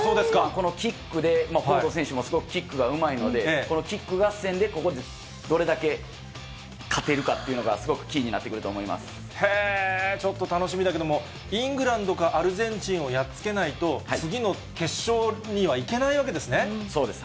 このキックで、フォード選手もすごくキックがうまいので、このキック合戦で、どれだけ勝てるかっていうのが、すごくキーにへー、ちょっと楽しみだけども、イングランドかアルゼンチンをやっつけないと、そうです。